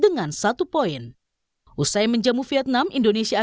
dengan kekuatan dan ambisi kita